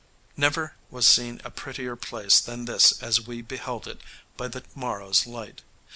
Never was seen a prettier place than this as we beheld it by the morrow's light.